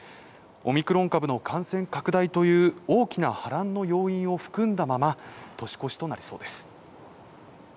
オミクロン株の感染拡大という大きな波乱の要因を含んだまま年越しとなりそうです。